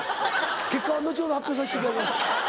結果は後ほど発表させていただきます。